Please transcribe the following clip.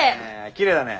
きれいだね。